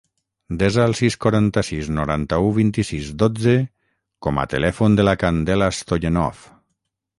Desa el sis, quaranta-sis, noranta-u, vint-i-sis, dotze com a telèfon de la Candela Stoyanov.